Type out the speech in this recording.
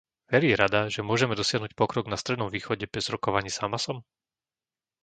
Verí Rada, že môžeme dosiahnuť pokrok na Strednom východe bez rokovaní s Hamasom?